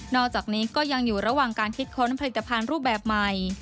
อกจากนี้ก็ยังอยู่ระหว่างการคิดค้นผลิตภัณฑ์รูปแบบใหม่